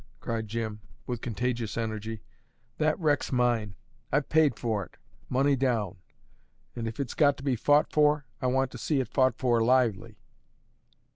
cried Jim, with contagious energy. "That wreck's mine; I've paid for it, money down; and if it's got to be fought for, I want to see it fought for lively.